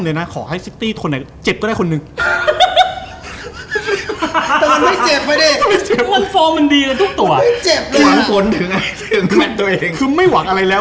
สนามมันเตือกตัวเองคือไม่หวังอะไรแล้ว